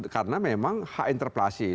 karena memang hak interpelasi itu